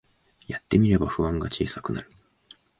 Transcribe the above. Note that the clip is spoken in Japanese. やってみれば不安が小さくなる